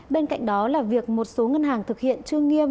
bên cạnh đó là việc một số ngân hàng thực hiện chưa nghiêm